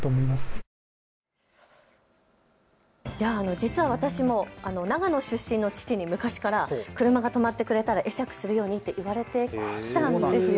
実は私も長野出身の父に昔から車が止まってくれたら会釈するように言われてきたんですよ。